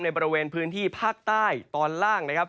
บริเวณพื้นที่ภาคใต้ตอนล่างนะครับ